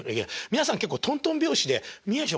皆さん結構トントン拍子で宮治